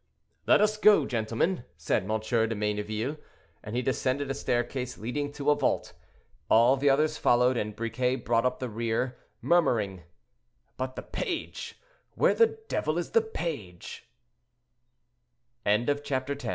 "Let us go, gentlemen," said M. de Mayneville, and he descended a staircase leading to a vault. All the others followed, and Briquet brought up the rear, murmuring: "But the page! where the devil is the page?" CHAPTER XI STILL THE LEAGUE.